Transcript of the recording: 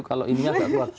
kalau ini agak keluar